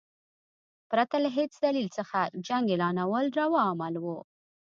پرته له هیڅ دلیل څخه جنګ اعلانول روا عمل وو.